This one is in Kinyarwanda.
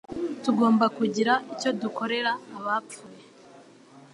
Tugomba kugira icyo dukorera abapfuye